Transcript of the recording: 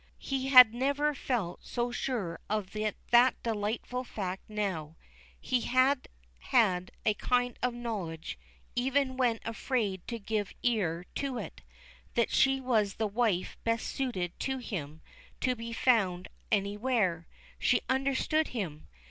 He had never felt so sure of that delightful fact as now. He had had a kind of knowledge, even when afraid to give ear to it, that she was the wife best suited to him to be found anywhere. She understood him!